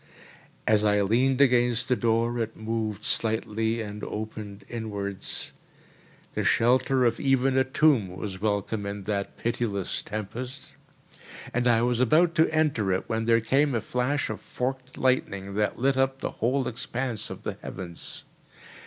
As I leaned against the door, it moved slightly and opened inwards. The shelter of even a tomb was welcome in that pitiless tempest, and I was about to enter it when there came a flash of forked lightning that lit up the whole expanse of the heavens.